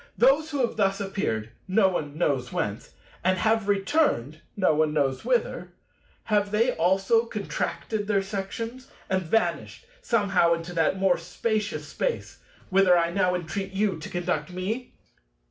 Those who have thus appeared—no one knows whence—and have returned—no one knows whither—have they also contracted their sections and vanished somehow into that more Spacious Space, whither I now entreat you to conduct me?